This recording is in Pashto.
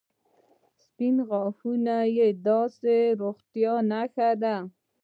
• سپین غاښونه د ښې روغتیا نښه ده.